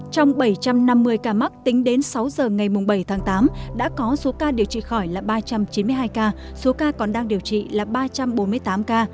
trong bảy trăm năm mươi ca mắc tính đến sáu giờ ngày bảy tháng tám đã có số ca điều trị khỏi là ba trăm chín mươi hai ca số ca còn đang điều trị là ba trăm bốn mươi tám ca